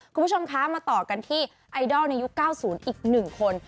คุณผู้ชมคะมาต่อกันที่ไอดอลในยุค๙๐อีก๑คน